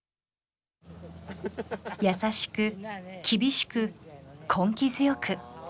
優しく厳しく根気強く。